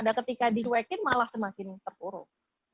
dan ketika dicuekin malah semakin terpuruk